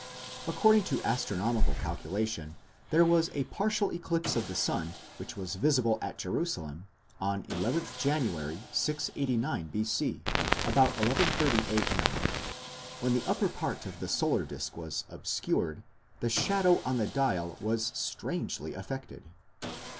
According to astronomical calculation there was a partial eclipse of the sun which was visible at Jerusalem on 11th January, 689 B.C, about 11.30 a.m. When the upper part of the solar disc was obscured, the shadow on the dial was strangely affected.